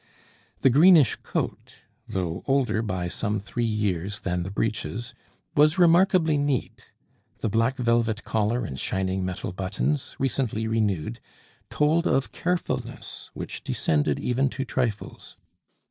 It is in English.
The greenish coat, though older by some three years than the breeches, was remarkably neat; the black velvet collar and shining metal buttons, recently renewed, told of carefulness which descended even to trifles.